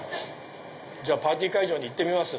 じゃあパーティー会場に行ってみます。